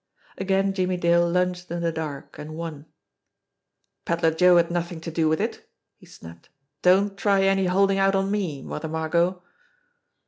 Again Jimmie Dale lunged in the dark, and won. "Pedler Joe had nothing to do with it!" he snapped. ''Don't try any holding out on me, Mother Margot